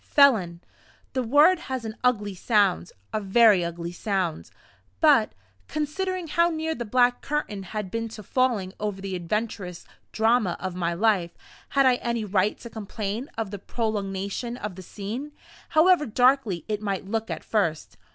Felon! The word has an ugly sound a very ugly sound. But, considering how near the black curtain had been to falling over the adventurous drama of my life, had I any right to complain of the prolongation of the scene, however darkly it might look at first?